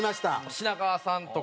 品川さんとか。